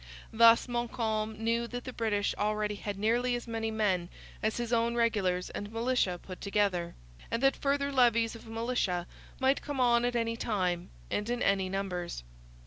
Thus Montcalm knew that the British already had nearly as many men as his own regulars and militia put together, and that further levies of militia might come on at any time and in any numbers.